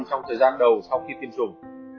trong thời gian đầu sau khi tiêm chủng